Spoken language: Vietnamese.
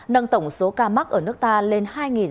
nâng tổng số ca mắc ở nước ta lên